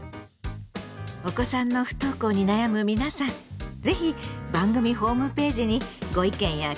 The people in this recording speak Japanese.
お子さんの不登校に悩む皆さん是非番組ホームページにご意見や経験談お寄せ下さいね。